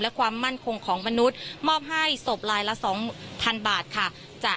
และความมั่นคงของมนุษย์มอบให้ศพลายละ๒๐๐๐บาทค่ะ